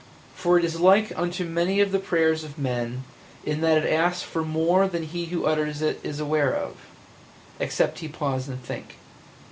For it is like unto many of the prayers of men, in that it asks for more than he who utters it is aware of – except he pause and think.